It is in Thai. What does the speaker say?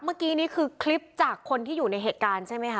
เมื่อกี้นี่คือคลิปจากคนที่อยู่ในเหตุการณ์ใช่ไหมคะ